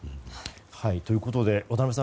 ということで渡辺さん